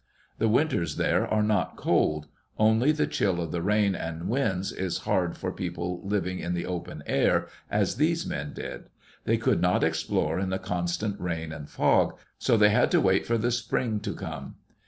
The winters there are not cold; only the chill of the rain and winds is hard for people living in the open air as these men did. They could not explore in the constant rain and fog, so they had to wait for the spring to come.